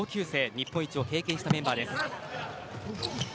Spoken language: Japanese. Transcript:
日本一を経験したメンバーです。